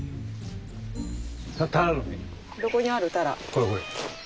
これこれ。